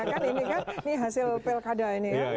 nah ini kan hasil pelkada ini ya